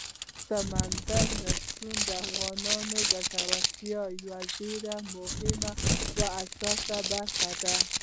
سمندر نه شتون د افغانانو د ګټورتیا یوه ډېره مهمه او اساسي برخه ده.